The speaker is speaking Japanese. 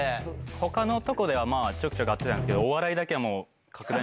ほかのとこでは、ちょくちょく合ってたんですけど、お笑いだけは。